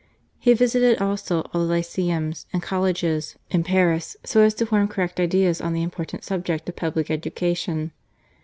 He visited also all the lyceums and colleges in Paris, so as to form correct ideas on the important subject of public education.